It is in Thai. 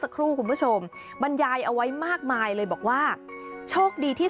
ครูคุณผู้ชมบรรยายเอาไว้มากมายเลยบอกว่าโชคดีที่